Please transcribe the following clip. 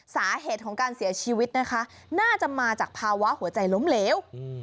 สาเหตุของการเสียชีวิตนะคะน่าจะมาจากภาวะหัวใจล้มเหลว